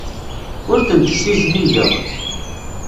Ur tent-ssizdigeɣ.